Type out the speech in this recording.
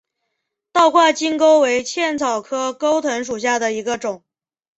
倒挂金钩为茜草科钩藤属下的一个种。